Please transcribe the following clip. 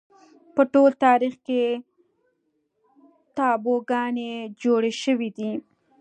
په ټول تاریخ کې تابوگانې جوړې شوې دي